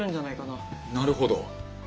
なるほど！